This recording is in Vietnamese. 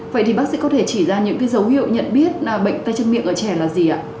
vậy thì bác sĩ có thể chỉ ra những dấu hiệu nhận biết là bệnh tay chân miệng ở trẻ là gì ạ